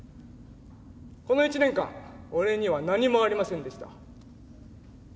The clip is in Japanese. この１年間俺には何もありませんでした。